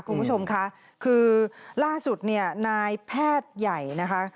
คุณผู้ชมค่ะคือล่าสุดเนี่ยนายแพทย์ใหญ่นะคะ